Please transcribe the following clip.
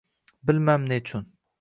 Bilmam, nechun